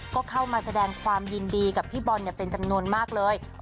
ก็เข้ามาแสดงความยินดีกับพี่บอลเป็นจำนวนมากเลย